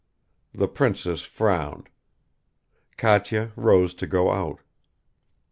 The princess frowned. Katya rose to go out .